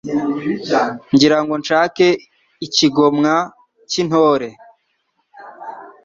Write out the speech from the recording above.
ngira ngo nshake ikigomwa cy'intore